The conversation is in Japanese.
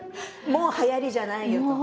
もうはやりじゃないよと。